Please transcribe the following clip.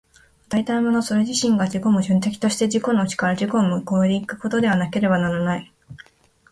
与えられたものそれ自身が自己矛盾的として、自己の内から自己を越え行くことでなければならない。